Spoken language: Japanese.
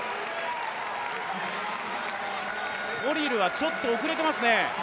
コリルはちょっと遅れてますね。